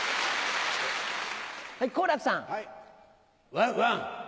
ワンワン